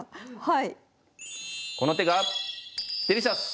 はい。